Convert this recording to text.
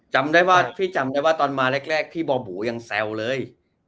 จำได้ว่าพี่จำได้ว่าตอนมาแรกพี่บ่อบูยังแซวเลย